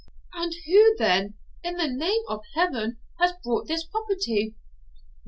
'And who, then, in the name of Heaven, has bought this property?'